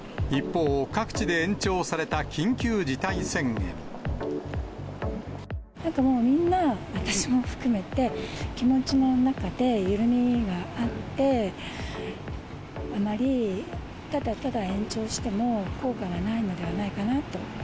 一方、なんかもう、みんな私も含めて、気持ちの中で緩みがあって、あまり、ただただ延長しても効果がないのではないかなと。